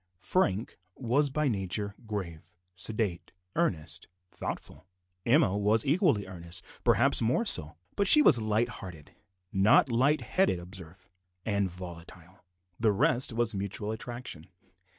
Frank was by nature grave, sedate, earnest, thoughtful. Emma was equally earnest more so perhaps but she was light hearted (not light headed, observe) and volatile. The result was mutual attraction.